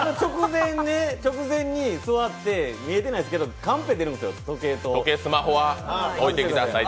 直前に座って、見えてないですけどカンペ出るんですよ、時計とって。